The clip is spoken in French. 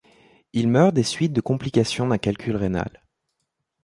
Il meurt des suites de complications d’un calcul rénal.